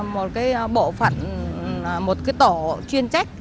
một cái bộ phận một cái tổ chuyên trách